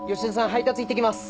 配達行ってきます。